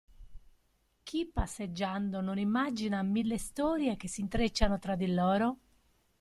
Chi passeggiando non immagina mille storie che si intrecciano tra di loro?